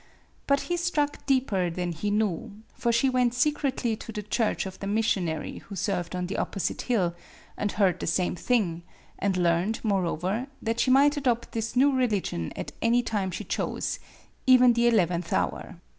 But he struck deeper than he knew ; for she went secretly to the church of the missionary who served on the opposite hill, and heard the same thing, and learned, moreover, that she might adopt this new religion at any time she chose even the eleventh hour.